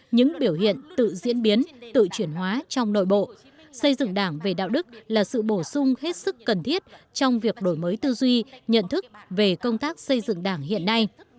những biểu hiện tự diễn biến tự chuyển hóa trong nội bộ xây dựng đảng về đạo đức là sự bổ sung hết sức cần thiết trong việc đổi mới tư duy nhận thức về công tác xây dựng đảng hiện nay